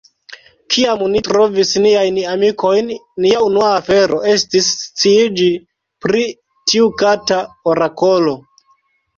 Kiam ni trovis niajn amikojn, nia unua afero estis sciiĝi pri tiu kata orakolo.